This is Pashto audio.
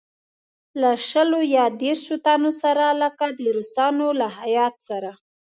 له شلو یا دېرشوتنو سره لکه د روسانو له هیات سره.